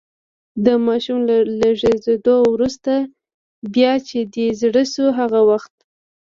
د ماشوم له زېږېدو وروسته، بیا چې دې زړه شو هغه وخت.